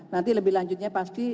nanti lebih lanjutnya pasti